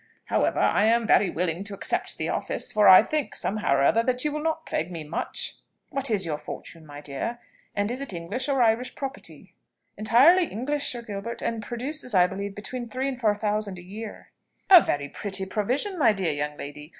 However, I am very willing to accept the office; for I think, somehow or other, that you will not plague me much. What is your fortune, my dear? and is it English or Irish property?" "Entirely English, Sir Gilbert; and produces, I believe, between three and four thousand a year." "A very pretty provision, my dear young lady.